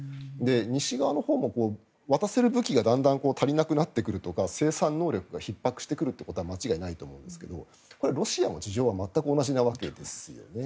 西側のほうも、渡せる武器がだんだん足りなくなってくるとか生産能力がひっ迫してくることは間違いないと思うんですけどこれはロシアも事情は全く同じなわけですね。